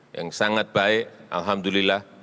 yang sangat baik alhamdulillah